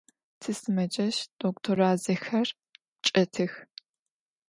Tisımeceş doktor 'azexer çç'etıx.